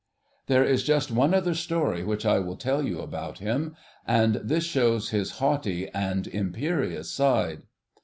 There is just one other story which I will tell you about him, and this shows his haughty and imperious side.